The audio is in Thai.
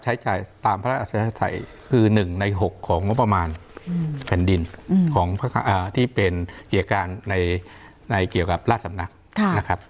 ใช้จ่ายตามพระอาทิตยาศัยคือ๑ใน๖ของประมาณแผ่นดินที่เป็นเกี่ยวกับราชสำนักนะครับ